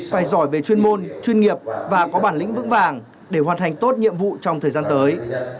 phải giỏi về chuyên môn chuyên nghiệp và có bản lĩnh vững vàng để hoàn thành tốt nhiệm vụ trong thời gian tới